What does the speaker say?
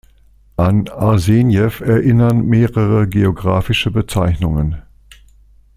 An Arsenjew erinnern mehrere geographische Bezeichnungen.